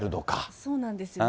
そうなんですよね。